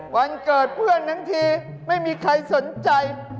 วันเกิดเพื่อนทั้งทีไม่มีใครสนใจ